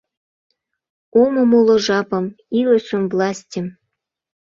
Ом умыло жапым, илышым, властьым!..»